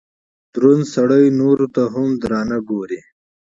دروند سړئ نورو ته هم درانه ګوري